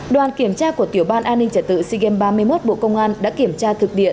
đoàn kiểm tra của tiểu ban an ninh trả tự sea games ba mươi một bộ công an đã kiểm tra thực địa